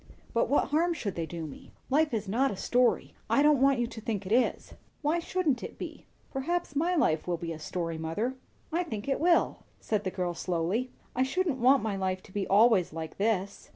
"But what harm should they do me?" "Life is not a story. I don't want you to think it is." "Why shouldn't it be? Perhaps my life will be a story, mother. I think it will," said the girl slowly. "I shouldn't want my life to be always like this."